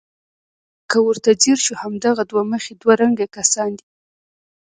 که ورته ځیر شو همدغه دوه مخي دوه رنګه کسان دي.